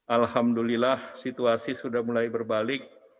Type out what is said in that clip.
alhamdulillah situasi sudah mulai berbalik